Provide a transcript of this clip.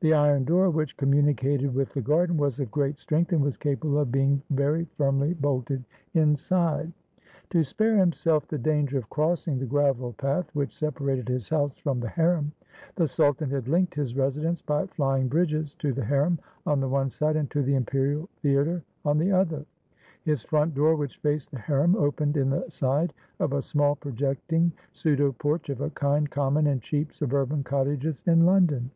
The iron door which communicated with the garden was of great strength and was capable of being very firmly bolted inside. 531 TURKEY To spare himself the danger of crossing the graveled path which separated his house from the harem, the sultan had linked his residence by flying bridges to the harem on the one side and to the imperial theater on the other. His front door, which faced the harem, opened in the side of a small, projecting pseudo porch of a kind common in cheap suburban cottages in London.